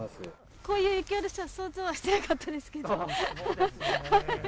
こういう雪下ろしは想像はしていなかったですけど。